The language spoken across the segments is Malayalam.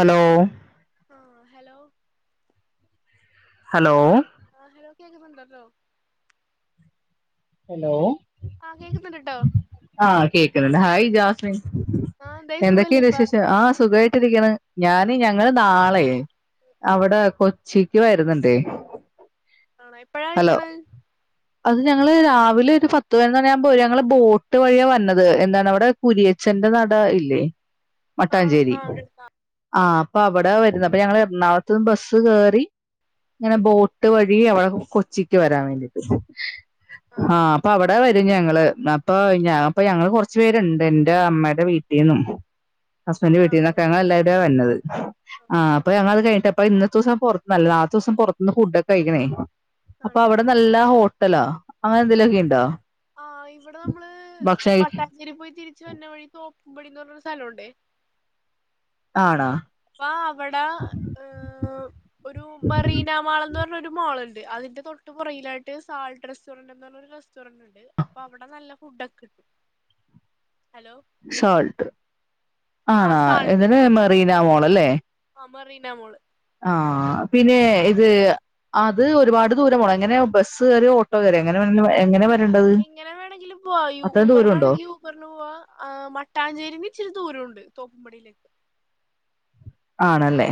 ഹലോ ആ ഹലോ ഹലോ ആ ഹലോ കേക്ക്ന്ന്ണ്ടല്ലോ ഹലോ ആ കേക്കുന്നുണ്ട് ട്ടോ ആ കേൾക്ക്ണ്ട് ഹായ് ജാസ്മിൻ ആഹ് എന്തായി എന്തൊക്കെയ സുഖല്ലേ ഇപ്പ വിശേഷം ആ സുഖമായിട്ട ഞാൻ ഞ് ഞങ്ങള് നാളെ ആഹ് അവിടെ കൊ ച്ചിക്ക് വരുന്നുണ്ട് ആണ എപ്പഴാ എത്തണ് അത് ഞങ്ങള് രാവിലെ ഒരു പത്ത് പതിനൊന്ന് മണിയാകുമ്പോ വരും ഞങ്ങള് ബോട്ട് എട്ട് വഴിയ വന്നത് എന്താണ് അവിടെ കുരിയച്ചന്റെ നട ഇല്ലേ ആഹ് മട്ടാഞ്ചേരി ആഹ് ഇവിടെ അടുത്താ ആ അപ്പൊ അവിടെ വരുന്ന അപ്പൊ ഞങ്ങ എറണാകളത്തന്ന് ബസ് കേറി ഇങ്ങനെ ബോട്ട് വഴി അവിടെ കൊച്ചിക്ക് വരാൻ വേണ്ടീട്ട് ആ ആഹ് അപ്പൊ അവിടെ വരും ഞങ്ങ ള് ന്നാ ഇപ്പൊ ഞപ്പ ഞങ്ങള്ൾ കൊറച്ചു പേരുണ്ട് എന്റെ അമ്മേടെ വീട്ടീന്നും ഹസ്ബൻറ് വീട്ടീ ആണല്ലേ ന്നൊക്കെ ഞങ്ങള് എല്ലാരൂടെ വര്ണത് ആ അപ്പൊ ഞങ്ങളത് കഴി പ്പ ഇന്നത്തെ ദിവസം പുറത്തുനല്ല നാളത്തെ ദിവസം പുറത്തുന്ന് ഫുഡ്ക്കെ കഴിക്കണേ അപ്പ ആണല്ലേ അവിടെ ആഹ് നല്ല ഹോ ണ്ടലോ അങ്ങനെ എന്തെലുക്കെ ഇണ്ടോ ആയിം ഇവിടെ നമ്മള് കഴി- മട്ടാഞ്ചേരി പോയി തിരിച്ച് വര്ണ വഴി നോ കുമ്പിടിന് പറഞ്ഞൊരു സ്ഥലഒണ്ടേ ആണോ അപ്പ അവിടെ ഒരു മെറീനാ മാളെന്ന് പറഞ്ഞോരു മാളുണ്ട് അതിന്റെ തൊട്ട് പുറയിലായിട്ട് സാൾട്ട് റെസ്റ്റോറന്റ് എന്ന് പറഞ്ഞരു റെസ്റ്റോറന്റ് ഉണ്ട് അപ്പൊ അവിടെ നല്ല ഫുടൊക്കെ കിട്ടും ഹലോ സാൾട്ട് ആഹ് ആണോ എന്നിട്ട് മെറീന മോ അല്ലേ ആ മെറീനമോള് ആ പിന്നെ ഇത് അത് ഒരുപാട് ദൂരം പോണോ എങ്ങനെ ബസ് കയറിയോ ഓട്ടോ കറിയോ എങ്ങനെവേണ എങ്ങനെ വെ എങ്ങനെ വേണങ്കിലും പോവാ ഈ ദൂരം ഊബറിന് ഉണ്ടോ വേണെങ്കി ഊബറിന് പോവാ മട്ടാഞ്ചേരിന്ന് ഇച്ചിരി ദൂരം ഉണ്ട് തോപ്പുമമ്പടിയിലേക്ക് ആണല്ലേ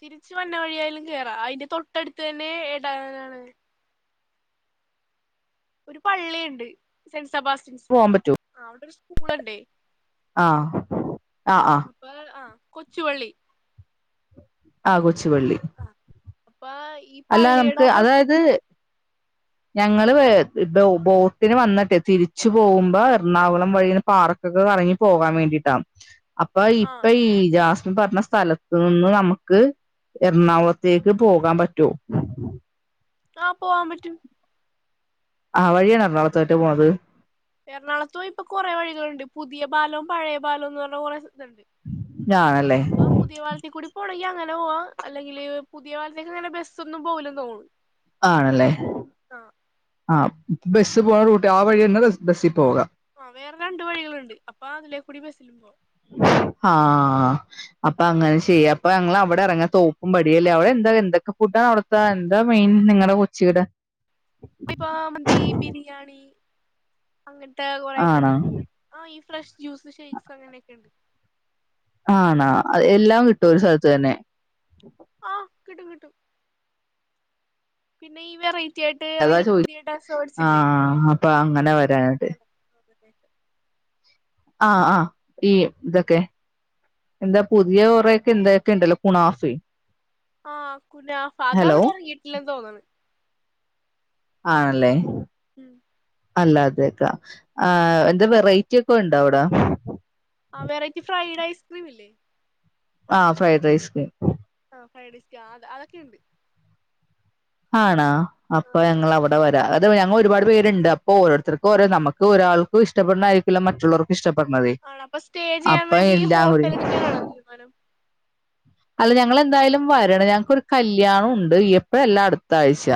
തിരിച്ച വര്ണ വഴിയായാലും കേറാം അതിന്റെ തൊട്ടടുത്ത് തന്നെ എടാ [unintelligible] ഒരു പള്ളിയിണ്ട് സെൻ സെബാസ്റ്റ്യൻസ് പോവാൻ ആ സ്‌കൂളുണ്ടെ ആഹ് ആഹ് ആഹ് ആ കൊച്ചുപള്ളി ആഗോ കൊച്ചുപള്ളി ആ അപ്പൊ ഈ അല്ല പള്ളിയുടെ നമുക്ക് ആ തൊട്ട് അതായത് ഞങ്ങള് ബോട്ടിന് വന്നിട്ടെ തിരിച്ചു പോകുമ്പോ എറണാകുളം വഴിന്ന് പാർക്കൊക്കെ കറങ്ങി പോകാൻ വേണ്ടിട്ടാ അപ്പൊ ആ ഇപ്പ ഈ ജാസ് ഞാൻ പറഞ്ഞ സ്ഥലത്തുനിന്ന് നമുക്ക് എറണാകുളത്തേക്ക് പോകാൻ പ ടു [unintelligible] ആഹ് പോവാൻ പറ്റും ആ എറണാകുളതെക്ക് പോണത് എറണാകുത്തും ഇപ്പൊ കൊറെ വഴികളോണ്ട് പുതിയ പാലോം പഴയ പാലോംന്ന് പറഞ് കൊറെ ണ്ട് ആണല്ലേ അപ്പ പുതിയ പലത്തികൂടി പോണങ്കി അങ്ങനെ പോവാ അല്ലെങ്കില് പുതിയ പാലത്തേക്ക് അങ്ങനെ ബസ് ഒന്നും പോകലും തോണ് ആണല്ലേ ആ ബസ് പോകണറൂട്ട് ആ വഴി തന്നെ ബസ്സി പോവാം ആ വേറെ രണ്ട് വഴികളുണ്ട് അപ്പൊ അതിലെകൂടി ബസിലും പോകാം ആഹ അപ്പൊ അങ്ങനെ ചെയ്യാഅപ്പൊ ഞങ്ങൾ അവിടെ ഇറങ്ങാ തോപ്പും പടിയല്ലേ അവിടെ എന്താ എന്തൊക്കെ ഫുഡാണ് അവിടുത്തെ എന്താ മെയിൻ നിങ്ങളടെ കൊച്ചിടെ ഇപ്പോ മന്തി ബിരിയാണി അങ്ങനത്തെ കുറ ആണോ ഐറ്റംസ് ആ ഫ്രഷ് ജ്യൂസ് ഷെയ്ക്സ് അങ്ങനെയൊക്കെ ഉണ്ട് ആണോ എല്ലാം കിട്ടും ഒരു സ്ഥലത്ത് തന്നെ ആകിട്ടും കിട്ടും പിന്നെ ഈ വെറൈറ്റി ആയിട്ട് അതാ ഇറങ്ങിയ പുതിയ ഡെസേർട്സ് ചോദിആഹ ഇല്ലേ അപ്പൊ അങ്ങനെ വരാട് [inaudible] ആഹ് ആഹ് ഈ ഇതൊക്കെ എന്താ പുതിയ ഒറക്കെ എന്തൊക്കെ ഉണ്ടല്ലോ കുണാഫി ആഹ് കുനഫാ അത് ഹലോ അവിടെ എറങ്ങീട്ടില്ല തോന്ന്ണ് ആണല്ലേ ഉം അല്ല അതെയക്കാ ആഹ് എന്ത് വെറൈറ്റി ഒക്കെ ഉണ്ടോ അവിടെ ആഹ് വെറൈറ്റി ഫ്രൈഡ് ഐസ്ക്രീം ഇല്ലേ ആഹ് ഫ്രൈഡ് ഐസ്ക്രീം ആഹ് ഫ്രൈഡേയ്സ് ആഹ് അതൊക്കെയ ഉണ്ട് ആണോ ആ അപ്പൊ ഞങ്ങൾ അവിടെ വരാ അത് ഞങ്ങൾ ഒരുപാട് പേരുണ്ട് അപ്പോ ഓരോരുത്തർക്കും ഓരോ നമുക്ക് ഒരാൾക്കും ഇഷ്ടപ്പെടുന്നായിരിക്കില്ല മറ്റുള്ളവർക്കും ഇഷ്ട ആണോ അപ്പൊ സ്റ്റേ ചെയ്യാൻ വേണ്ടി കൂടി ഹോട്ടൽ എടക്കാനാണോ തീരുമാനം അല്ല ഞങ്ങൾ എന്തായാലും വരണം ഞങ്ങക്കൊരു കല്യാണം ഉണ്ട് എപ്പയല്ല അട അടുത്തായിച്ച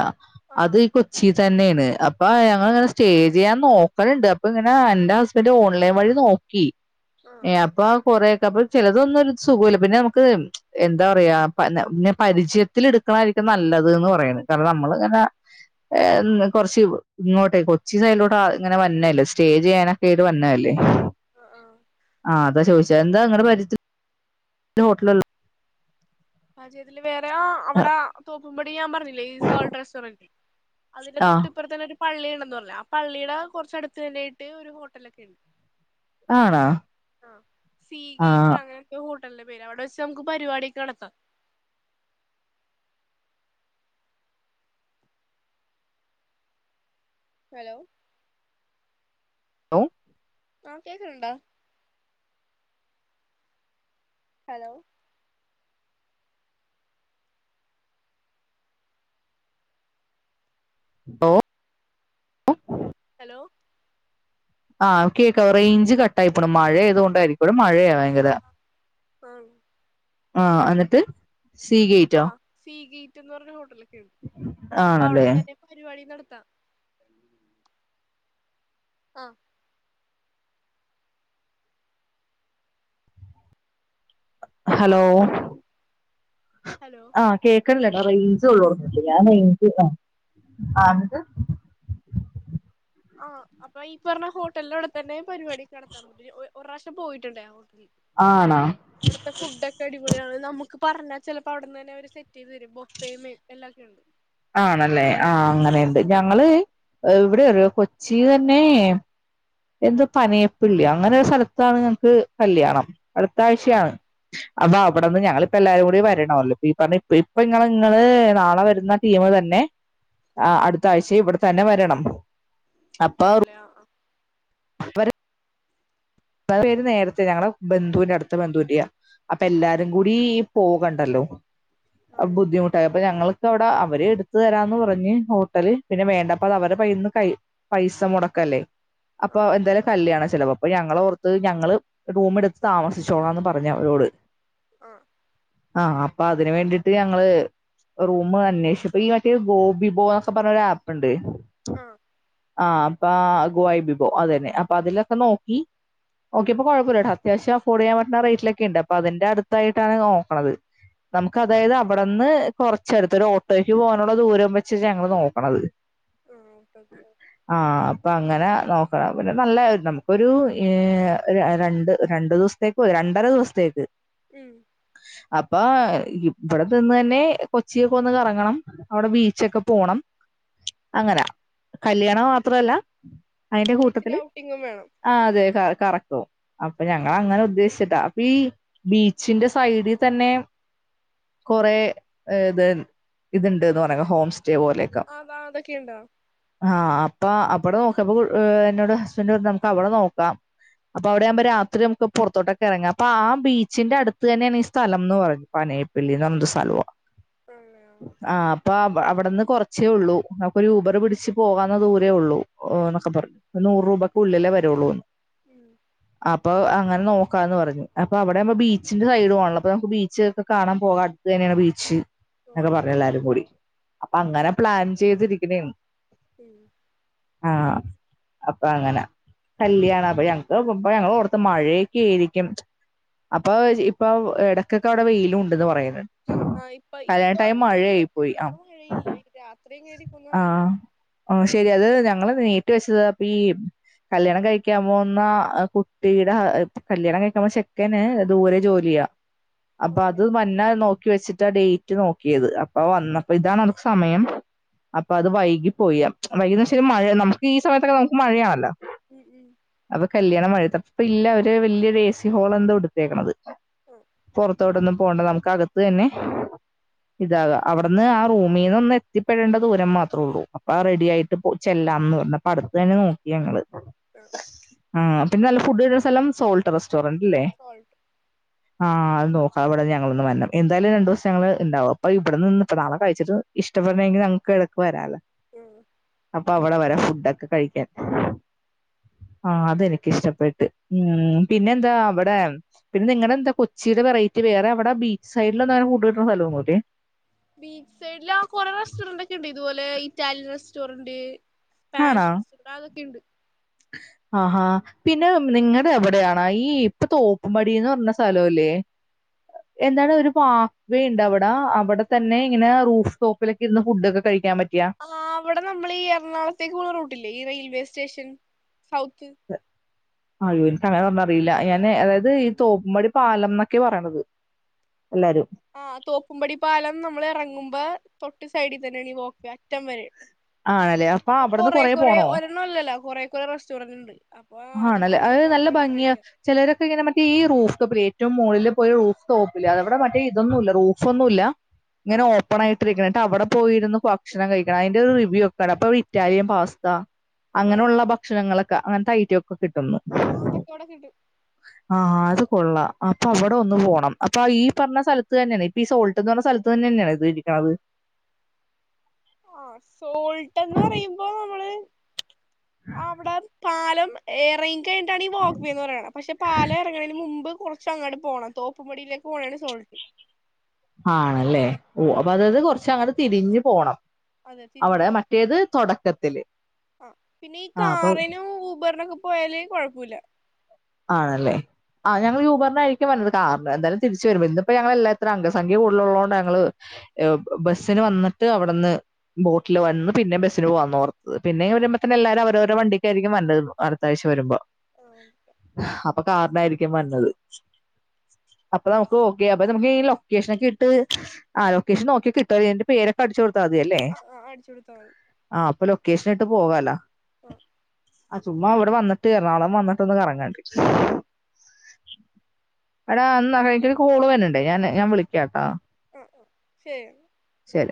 ആ അത് കൊച്ചി തന്നെയാണ് അപ്പ ഞങ്ങളിങ്ങനെ സ്റ്റേ ചെയ്യാൻ നോക്കലുണ്ട് അപ്പൊ ഇങ്ങനെ അന്റെ ഹസ്ബൻ്റ് ഓൺലൈൻ വഴി നോക്കി ആ ഏഹ് അപ്പൊ കൊറ അപ്പൊ ചിലതൊന്നും ഒരു സുഖല്ല പിന്നെ നമുക്ക് എന്താ പറയാ പ പിന്നെ പരിചയത്തിൽ എടുക്കണായിരിക്കും നല്ലത് ന്ന് പറയണ് കാരണം നമ്മളിങ്ങനെ കൊറച്ച് ഇങ്ങോട്ടെ കൊച്ചി സൈഡിലോട്ട് ഇങ്ങനെ വന്നല്ലേ സ്റ്റേ ചെയ്യാനൊക്കെ ആയിട്ട് വര്നല്ലേ ആ ആ അതാ ചോയിച്ചെ എന്താ നിങ്ങടെ പാര്യത്തി ഇത് ഹോട്ടല് ആഹ് ചേതിലും വേറെ ആ അവിടെ തോപ്പുംപടി ഞാൻ പറഞ്ഞില്ലേ ഈ സോൾട്ട് റെസ്റ്റോറന് അതിന്റെ ആ തൊട്ടിപ്പുറത്തെന്നെ ഒരു പള്ളിണ്ടന്നു പറഞ്ഞില്ലേ ആഹ് പള്ളിയുടെ കുറച്ച അടുത്ത് തന്നായിട്ട് ഒരു ഹോട്ടലൊക്കെ ഇണ്ട് ആണോ ആഹ് ആ സീഗേറ്റ് അങ്ങനെക്കെ നല്ല പേര് അവിടെവച്ച് നമുക്ക് പരിപാടിക്കെ നടത്താം ഹലോ ഓ അഹ് കേക്കണൊണ്ടോ ഹലോ ഓ [unintelligible] ഹലോ ആഹ് കേക്കവോ റേയ്ഞ്ച് കട്ടായി പോണ് മഴയായത് കൊണ്ടാരിക്കുട. മഴയാ ആ ഭയങ്കര ആഹ് അന്നിട്ട് ആഹ് സീഗേറ്റ് റ്റെന്ന് പറഞ്ഞഹോട്ടല്. അപ്പൊ അവിടെ ആണല്ലേ തന്നെ പരിപാടി നടത്ത ത്താ. ആഹ് ആ പറഞ്ഞോ. ഹലോ ആ കേക്കണില്ല റേഞ്ചള്ളോടത്തുക്ക് ഞാൻ റേഞ്ചില ആ അന്നിട്ട് ആ അപ്പ ഈ പറഞ്ഞ ഹോട്ടലിന്റവിടെത്തന്നെ പരിപാടിക്കെ നടത്താൻ പറ്റും ഒരുറാവശ്യം ട്ട് പോയിട്ടുണ്ടേയാവോ? ആണോ അവിടുത്തെ ഫുഡ്‌ക്കെ അടിപൊളിയാണ് നമ്മക്ക് പറഞ്ഞ ചെലപ്പോ അവിടുന്ന് തന്നെ അവരു സെറ്റ് റ്റ് ചെയ്തരും ബൊഫെയും എല്ലാക്കെ ഉണ്ട്. ആണല്ലേ ആ അങ്ങനെയൊണ്ട് ഞങ്ങള് ഇവിടെറിയോ കൊച്ചീന്നന്നെ എന്തൊ പനയപ്പിള്ളി അങ്ങനെ ഒരു സ്ഥലത്താണ് ഞങ്ങക്ക് കല്യാണം. ആ അടുത്താഴ്ചയാണ് അബാ ഇവിടെന്ന് ഞങ്ങളിപ്പ എല്ലാരും കൂടി വരണല്ലോ ഈ പറഞ്ഞ ഇപ്പ ഇങ്ങ ഇങ്ങള് നാളെ വരുന്ന ടീമുതന്നെ ആ അടുത്താഴ്ചേ ഇവിടെ തന്നെ വരണം. ആണ്ല്ലേ ആ ആ വര [unintelligible] പേര് നേരത്തെ ഞങ്ങടെ ബന്ധുവിന്റെ അടുത്ത ബന്ധുവിന്റെയാ അപ്പൊ എല്ലാരും കൂടി പോകണ്ടല്ലോ. ആ അ ബുദ്ധിമുട്ടായി അപ്പ ഞങ്ങള് [unintelligible] വടെ അവര് എടുത്തുതരാന്ന് പറഞ്ഞ് ഹോട്ടല്, പിന്നെ വേണ്ടപ്പതവരടെ കയ്യിന്ന് കൈ പൈസ മൊടക്കല്ലേ? അപ്പൊ ആണല്ലേ എന്തായാലും കല്ല്യാണ ചിലവ് അപ്പ ഞങ്ങളോർ ത്ത് ഞങ്ങള് റൂമെടുത്ത് താമസിച്ചോളാംന്ന് പറഞ്ഞവരോട്. ആ ആ അപ്പൊ അതിന് വേണ്ടിട്ട് ഞങ്ങള് റൂം അന്വേഷിപ്പ ഈ മറ്റേ ഗോബിബോ ന്നൊക്കെ പറഞ്ഞൊരാപ്പ്ണ്ട്. ആ ആ അപ്പ ഗ്വായിബിബോ അതന്നെ അപ്പൊ അതിലൊക്കെ നോക്കി നോക്കിയപ്പൊ കൊഴപ്പല്ലട്ടോ അത്യാവശ്യം അഫോർഡ് ചെയ്യാൻ പറ്റുന്ന റേറ്റിലൊക്കെണ്ട് അപ്പൊ അതിന്റെ അടുത്തായിട്ടാണ് നോക്കണത് നമുക്ക് അതായത് അവിടന്ന് കൊറച്ചടുത്ത് ഒരു ഓട്ടോയ്ക്ക് പോകാനുള്ള ദൂരം വെച്ചിട്ട് ഞങ്ങള് നോക്കണത്. ഓക്കെ ഓക്കെ ആ അപ്പങ്ങനെ നോക്കണം പിന്നെ നല്ല നമുക്കൊരു ഏ എ ഒരു രണ്ട് രണ്ടു ദിവസത്തേക്ക് മതി രണ്ടര ദിവസത്തേക്ക് ഉം അപ്പൊ ഇവിടെ നിന്ന് തന്നെ കൊച്ചിയെക്കെ ഒന്ന് കറങ്ങണം അവിടെ ബീച്ചൊക്കെ പോണം അങ്ങനെ കല്ല്യാണം മാത്രല്ല അതിന്റെ ഇച്ചിരി കൂട്ടത്തില് ഔട്ടിങ്ങും വേണം ആ അതെ കറക് അപ്പൊ ഞങ്ങ അങ്ങനെ ഉദ്ദേശിച്ചിട്ടാ അപ്പൊ ഈ ബീച്ചിന്റെ സൈഡിൽ തന്നെ കൊറേ ഇത് ഇത്ണ്ട്ന്ന് പറഞ്ഞ ഹോം സ്‌റ്റേ റ്റേ പോലക്കെ അതാ അതൊക്കെയുണ്ടോ ആ ആ അപ്പ അവിടെ നോക്കിയപ്പോ ഏ എന്നോട് ഹസ്ബന്റ് പറഞ്ഞു നമുക്ക് അവിടെ നോക്കാം അപ്പൊ അവിടെയാവുമ്പോ രാത്രിനമുക്ക് പുറത്തോട്ടൊക്കെ ഇറങ്ങാം ആ ബീച്ചിന്റെ അടുത്തതന്നെയാണ് ഈ സ്ഥലം എന്ന് പറഞ്ഞത് പനയപ്പല്ലിന്ന് പറഞ്ഞൊരു സ്ഥലവാ ആ അപ്പാം അവിടുന്ന് കുറച്ചേ ഉള്ളൂ നമുക്കൊരു ഊബർ പിടിച്ച് പോകാവുന്ന ദൂരേ ഒള്ളൂ എന്നൊക്കെ പറഞ്ഞു നൂറ് രൂപയ്ക്ക് ഉള്ളിലേ വരുള്ളൂന്ന് ഉം അപ് അപ്പൊ അങ്ങനെ നോക്കാന്ന് പറഞ്ഞു അപ്പോ അവിടെയുമ്പോ ബീച്ചിന്റെ സൈഡ്മാണല്ലോ നമുക്ക് ബീച്ച് ഒക്കെ കാണാൻ പോകാം അടുത്ത തന്നെയാണ് ബീച്ച് പോയോ? പറഞ്ഞ് എല്ലാരും കൂടി അപ്പൊ അങ്ങനെ പ്ലാൻ ചെയ്തിരിക്കണേണ് ഉം ആ അപ്പ അങ്ങനെ കല്യാണം അപ്പ ഞങ്ങക്ക് ഇപ്പ ഞങ്ങ ഓർത്ത് മഴയൊക്കെ ആയിരിക്കും അപ്പൊ ഇപ്പൊ ഇടക്കൊക്കെ അവിടെ വെയിലും ഉണ്ടന്ന് പറയുന്നുണ്ട് ആ ഇപ്പ കല്യാണ ഇപ്പൊ ടൈം ഒരു മഴയായി വെയിലൊക്കെ പോയി ഉണ്ട് ആ ഇപ്പൊ മഴയില്ല ഇത് രാത്രിയും എങ്ങനെയായിരിക്കൊന്നും അറിയില്ല ശെരി അത് ഞങ്ങള് നീട്ടി വെച്ചതാ അപ്പീ ഈ കല്യാണം കഴിക്കാൻ പോകുന്ന ആ കുട്ടിയുടെ കല്യാണം കഴിക്കുന്ന ചെക്കന് ദൂരെ ജോലിയാ അപ്പൊ ഉണ്ട് അത് വന്ന നോക്കി വെച്ചിട്ടാ ഡേറ്റ് റ്റി നോക്കിയത് അപ്പ വന്നപ്പോ ഇതാണ് നുക്ക് സമയം അപ്പൊ അത് വൈകി പോയി വൈകിന്ന് വെച്ചാൽ മഴ നമുക്ക് ഈ സമയത്തൊക്കെ നമുക്ക് മഴയാണല്ലോ ഉം ഉം അപ്പൊ കല്യാണം മഴ അപ്പ ഇല്ല അവര് വലിയൊരു എ സി ഹോൾ എന്താ എടുത്തേക്കണത് ആ പൊറത്തോട്ടൊന്നും പോണ്ട നമുക്ക് അകത്ത് തന്നെ ഇതാകാം അവിടുന്ന് ആ റൂമീന്ന് ഒന്ന് എത്തിപ്പെടേണ്ട ദൂരം മാത്രേ ഉള്ളൂ അപ്പൊ ആ റെഡി ആയിട്ട് ചെല്ലാംന്ന് പറഞ്ഞ അപ്പ അടുത്ത് തന്നെ നോക്കി ഞങ്ങള് ആ ആ പിന്ന നല്ല ഫുഡ് കിട്ടണ സ്ഥലം സോൾട്ട് റസ്- സ്റ്റോറന്റല്ലേ ആ സോൾട്ട് ആ നോക്കാൻ അവിടന്ന് ഞങ്ങളൊന്ന് വരണം എന്തായാലും രണ്ട് ദിവസം ഞങ്ങൾ ഉണ്ടാവും അപ്പ ഇവിടെന്ന് നാളെ കഴിച്ചിട്ട് ഇഷ്ടപ്പെടണങ്കിൽ ഞങ്ങക്ക് ഇടക്ക് വരാല്ലോ ഉം അപ്പൊ അവിടെ വരാം ഫുഡാക്കെ കഴിക്കാൻ ആ അതെനിക്കിഷ്ടപ്പെട്ട് ഉം പിന്നെ എന്താ അവിടെ പിന്നെ നിങ്ങളടെ എന്താ കൊച്ചിയില വെറൈറ്റി വേറെ അവിടെ ബീച്ച് സൈഡില ഒന്നും അങ്ങന ഫുഡ് കിട്ടുന്ന സ്ഥലമൊന്നുമില്ലേ ബീച്ച് സൈഡില് ആ കൊറെ റെസ്റ്റോറന്റ് ഒക്കെ ഉണ്ട് ഇതുപോലെ ഇറ്റാലിയൻ റെസ്റ്റോറന്റ് ആണോ [unintelligible] ക്കെണ്ട് ആഹാ പിന്നെ നിങ്ങടെ അവിടെയണ ഈ ഇപ്പൊ തോപ്പുംപടിന്ന് പറഞ്ഞ സ്ഥലല്ലേ എന്താണ് ഒരു പാസ്സ്‌വേ ഉണ്ട് അവിടെ അവിടെ തന്നെ ഇങ്ങനെ റൂഫ് ടോപ്പിലൊക്കെ ഇരുന്ന ഫുഡൊക്കെ കഴിക്കാൻ പ ആ അവിടെ നമ്മൾ ഈ എറണാകുളത്തേക്ക് പോണ റൂട്ടില്ലേ ഈ റെയിൽവേ സ്റ്റേഷൻ സൗത്ത് അയ്യോ എനിക്ക് അങ്ങനെ പറഞ്ഞറിയില്ല ഞാന് അതായത് ഈ തോപ്പുംമ്പടി പാലം എന്നൊക്കെ പറയണത് എല്ലാരും. ആ തൊപ്പുംപടി പാലം നമ്മൾ ഇറങ്ങുമ്പാ തൊ ഡ് സൈഡിൽ തന്നെ വോക്ക് അറ്റം വരെ ആണല്ലേ അപ്പൊ അവിടുന്ന് കൊറെ കൊറേ കൊറെ പോണോ ഒരെണ്ണം അല്ലല്ലോ കൊറെ കൊറെ റെസ്റ്റോറന്റ് ഉണ്ട് അപ്പൊ അതൊക്കെ ആണല്ലേ അത് അനുസരിച്ച് നല്ല നമുക്ക് ഭംഗിയ കഴിക്കാം ചിലരൊക്കെ ഇങ്ങനെ മറ്റേ ഈ റൂഫ്‌റ്റോപ്പിലെ ഏറ്റവും മോളിൽപോയി റൂഫ്ടോപ്പില്ലേ അവിടെ മറ്റേ ഇതൊന്നുമല്ല റൂഫ്ന്നുമല്ല ഇങ്ങനെ ആഹ് ഓപ്പൺ ആയിട്ടിരിക്കണ അവിടെ പോയിരുന്ന് ഭക്ഷണം കഴിക്കണം അതിന്റെറെ ഒരു അപ്പൊ ഇറ്റാലിയൻ പാസ്ത ആഹ് അങ്ങനെയുള്ള ഭക്ഷണങ്ങളൊക്കെ അങ്ങനത്തെ ഐറ്റം ഒക്കെ കിട്ടുന്നു ആഹ് അതൊക്കെ അവിടെ കിട്ടും ആഹ് അത് കൊള്ളാം അപ്പൊ അവിടെ ഒന്ന് പോണം അപ്പൊ ഈ പറഞ്ഞ സ്ഥലത്ത് തന്നെയാണ് ഇപ്പൊ ഈ സോൾട്ട് എന്ന് പറഞ്ഞ സ്ഥലത്ത് തന്നെ തന്നെയാണ് ഇത് ഇരിക്കണത് ആ സോൾട്ട്ന്ന് പറയുമ്പോ നമ്മള് അവിടെ പാലം ഏറെ കഴിഞ്ഞിട്ടാണ് വാക്ക്വേന്ന് പറുന്നത് പാല ഇറങ്ങണതിന് മുമ്പ് കുറ പക്ഷെ അങ്ങട്ട് പോകണം തൂപ്പുംപടിയിലേക്ക് പോകണാണ് സാൾട്ട് ആണല്ലേ ഓ അപ്പൊ അതത് കൊറച്ച് അങ്ങട്ട് തിരിഞ്ഞു പോണം അതെ തിരിഞ്ഞു അവിടെ പോ മറ്റേത് തുടക്കത്തില് ആ പിന്നെ ഈ ആ അപ്പൊ കാറിനും ഊബറിനൊക്കെ പോയാല് കുഴപ്പുല്ല ആണല്ലേ ആ ഞങ്ങൾ യൂബറിന ആയിരിക്കും വന്നത് കാരണം എന്തായാലും തിരിച്ചു വരുമ്പോൾ ഇന്നിപ്പോ ഞങ്ങൾ എല്ലാത്തിരും അംഗസംഖ്യ കൂടുലുള്ളതത് കൊണ്ട് ഞങ്ങള്ബസ്സിന് വന്നിട്ട് അവിടെന്ന് ബോട്ടിൽ വന്ന് പിന്നെ ബസ്സിന് പോകന്ന് ഓർ പിന്നെയ ആഹ് വരുമ്പോത്തന്ന എല്ലാവും അവരോരോ വണ്ടി ആയിരിക്കും വന്നത് അടുത്തഴ്ച വരുമ്പോ ആ ഓക്കെ അപ്പൊ കാറിനായി രിക്കും വന്നത് അപ്പൊ നമുക്ക് ഓക്കെ അപ്പ നമുക്ക് ഈ ലൊക്കേഷനൊക്കെ ഇട്ട് ആ ലൊക്കേഷൻ നോക്കിയ കിട്ടോ ഇന്റെ പേരൊക്കെ അടിച്ചു കൊടുത്ത അതെ അല്ലെ ആഹ് അടിച്ചു കൊടുത്താ മതി ആ അപ്പൊ ലൊക്കേഷൻ പോകാലാ ആ ചുമ്മാഇ വിടെവന്നിട്ട് എറണകുളം വന്ന് [unintelligible] അടാ എനിക്കൊരു കോള് വര്‌ന്ണ്ട് ഞാൻ ഞാൻ വിളിക്കട്ടാ ഹ് ശരി ശരി